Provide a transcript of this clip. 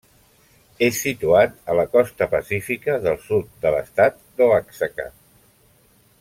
És situat a la costa pacífica del sud de l'estat d'Oaxaca.